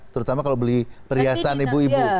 terutama kalau beli perhiasan ibu ibu